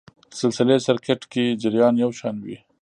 سلسلې سرکټ کې جریان یو شان وي.